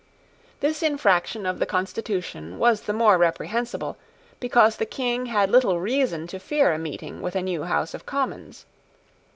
This infraction of the constitution was the more reprehensible, because the King had little reason to fear a meeting with a new House of Commons.